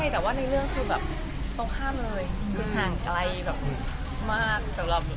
เธอเป็นแม่ด้วยไหมคะเพราะว่าเราก็เป็นแม่ต่อกัน